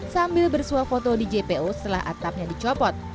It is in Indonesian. sambil bersuah foto di jpo setelah atapnya dicopot